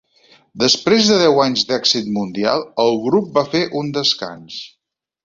Després de deu anys d'èxit mundial, el grup va fer un descans.